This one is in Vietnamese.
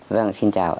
vâng xin chào